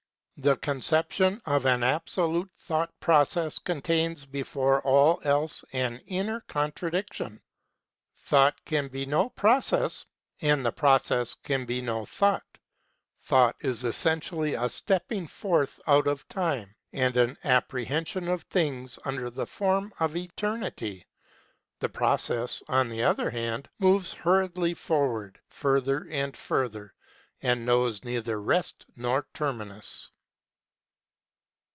The conception of an absolute Thought process contains before all else an inner contradiction. Thought can be no Process and the Process can be no Thought. Thoughl is essentially a stepping forth out of Time, and an apprehension of things under th< " Form of Eternity." The Process, on th< other hand, moves hurriedly forward furthe] and further and knows neither rest no] terminus.